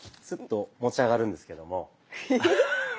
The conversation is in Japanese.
スッと持ち上がるんですけども。